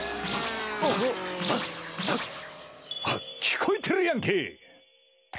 聞こえてるやんけ！